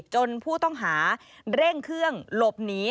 จนผู้ต้องหาเร่งเครื่องหลบหนี